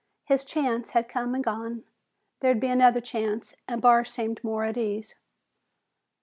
His chance had come and gone. There'd be another chance and Barr seemed more at ease.